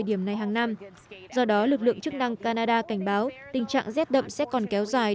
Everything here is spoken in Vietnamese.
do đó lực lượng chức năng canada cảnh báo tình trạng rét đậm sẽ còn kéo dài